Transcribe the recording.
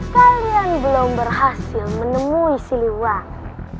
kalian belum berhasil menemui siliwan